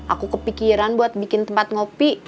aku kepikiran buat bikin tempat ngopi